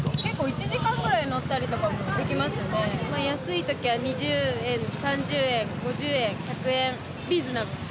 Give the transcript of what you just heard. １時間ぐらい乗ったりとかもできますね安い時は２０円３０円５０円１００円